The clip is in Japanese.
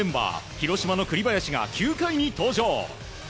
広島の栗林が９回に登場。